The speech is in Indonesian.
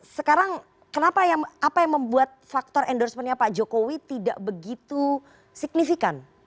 sekarang kenapa apa yang membuat faktor endorsementnya pak jokowi tidak begitu signifikan